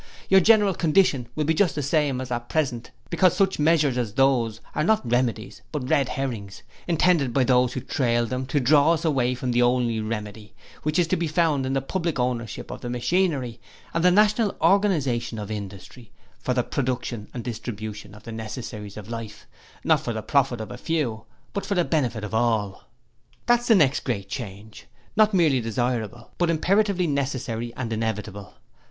Your general condition will be just the same as at present because such measures as those are not remedies but red herrings, intended by those who trail them to draw us away from the only remedy, which is to be found only in the Public Ownership of the Machinery, and the National Organization of Industry for the production and distribution of the necessaries of life, not for the profit of a few but for the benefit of all! 'That is the next great change; not merely desirable, but imperatively necessary and inevitable!